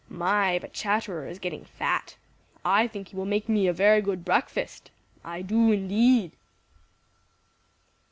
My, but Chatterer is getting fat! I think he will make me a very good breakfast. I do, indeed!"